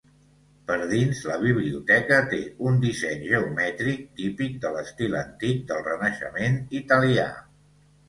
Per dins, la biblioteca té un disseny geomètric típic de l'estil antic del Renaixement italià.